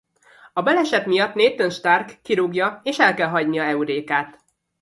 A baleset miatt Nathan Stark kirúgja és el kell hagynia Eurekát.